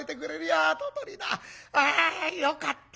あよかった」。